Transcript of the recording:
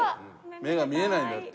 目が見えないんだって。